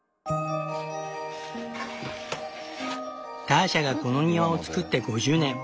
ターシャがこの庭を造って５０年。